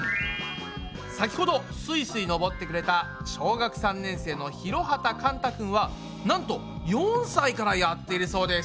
先ほどすいすい登ってくれた小学３年生の広畠寛太くんはなんと４歳からやっているそうです。